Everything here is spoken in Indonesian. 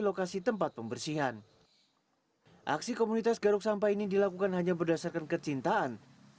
lokasi tempat pembersihan aksi komunitas garuk sampah ini dilakukan hanya berdasarkan kecintaan